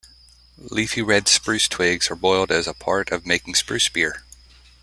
Leafy red spruce twigs are boiled as a part of making spruce beer.